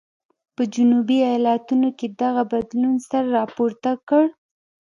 په جنوبي ایالتونو کې دغه بدلون سر راپورته کړ.